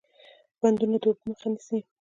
بندونه د اوبو مخه نیسي